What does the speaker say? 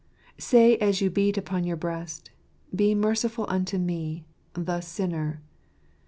Say, as you beat upon your breast, " Be merciful unto me, the sinner